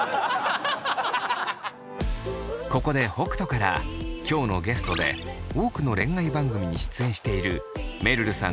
ここで北斗から今日のゲストで多くの恋愛番組に出演しているめるるさん